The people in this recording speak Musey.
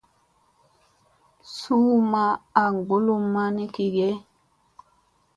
Su ma aŋ ngulumma ni kige.